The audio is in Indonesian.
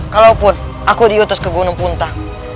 kalaupun aku diutus ke gunung puntang